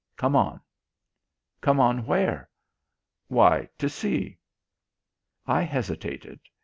Come on!" "Come on where?" "Why, to see." I hesitated.